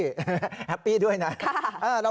แฮปปี้ด้วยนะ